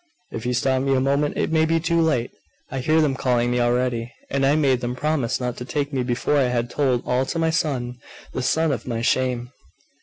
If you stop me a moment, it may be too late. I hear them calling me already; and I made them promise not to take me before I had told all to my son the son of my shame!